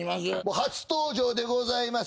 初登場でございます。